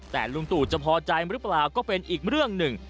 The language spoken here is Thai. แต่ลุงตู่จะพอใจหรือเปล่าก็เป็นอีกเรื่องหนึ่ง